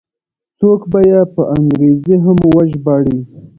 څوک به یې په انګریزي هم وژباړي.